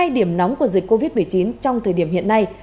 hai điểm nóng của dịch covid một mươi chín trong thời điểm hiện nay